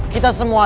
kita semua tahu